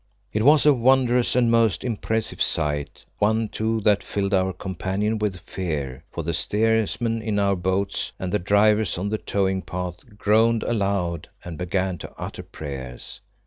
It was a wondrous and most impressive sight, one too that filled our companions with fear, for the steersmen in our boats and the drivers on the towing path groaned aloud and began to utter prayers.